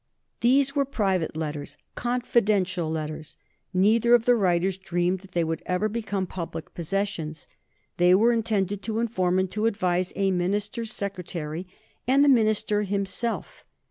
These were private letters, confidential letters. Neither of the writers dreamed that they would ever become public possessions. They were intended to inform and to advise a minister's secretary and the minister himself.